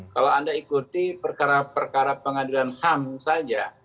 kalau anda ikuti perkara perkara pengadilan ham saja